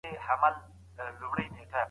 اتحاد د پرمختګ لومړی شرط دی.